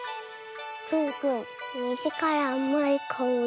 くんくんにじからあまいかおり。